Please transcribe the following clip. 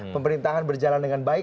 pemerintahan berjalan dengan baik